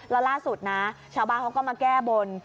แล้วล่าสุดนะชาวบ้านเขาก็มาแก้บน